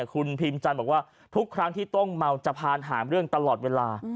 คุณพิมจันทร์บอกว่าทุกครั้งที่ต้องเมาจะพานหาเรื่องตลอดเวลา